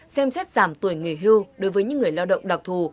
xem xét giảm tuổi nghề hưu đối với những người lao động đặc thù